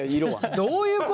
どういうこと？